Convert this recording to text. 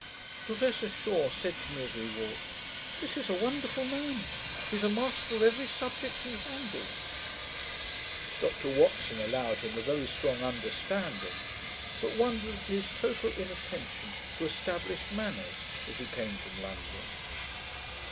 Professor Shaw said to me, as we walked, 'This is a wonderful man: he is master of every subject he handles.' Dr Watson allowed him a very strong understanding, but wondered at his total inattention to established manners, as he came from London.